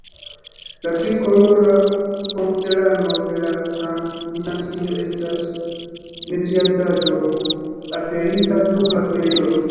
La tri-kolora porcelano de la Tang-dinastio estas metiartaĵo aperinta dum la periodo.